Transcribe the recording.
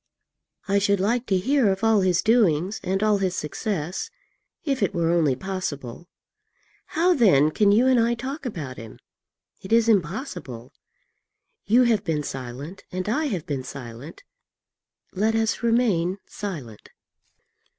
I should like to hear of all his doings and all his success, if it were only possible. How, then, can you and I talk about him? It is impossible. You have been silent and I have been silent, let us remain silent."